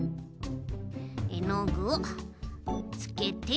えのぐをつけて。